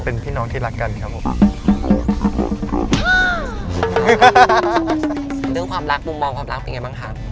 เรื่องความรักมุมมองความรักเป็นยังไงบ้างคะ